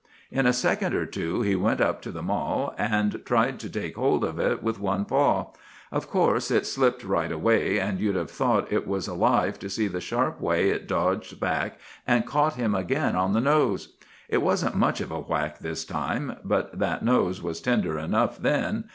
In a second or two he went up to the mall, and tried to take hold of it with one paw; of course it slipped right away, and you'd have thought it was alive to see the sharp way it dodged back and caught him again on the nose. It wasn't much of a whack this time, but that nose was tender enough then!